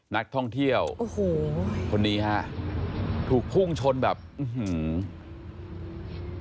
นักท่องเที่ยวโอ้โหคนนี้ฮะถูกพุ่งชนแบบอื้อหือ